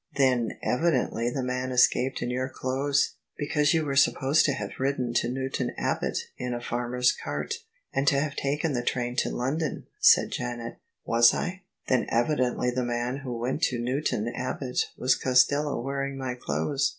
"Then evidently the man escaped in your clothes: be cause you were supposed to have ridden to Newton Abbot in a farmer's cart, and to have taken the train to London," said Janet " Was I ? Then evidently the man who went to Newton Abbot was Costello wearing my clothes.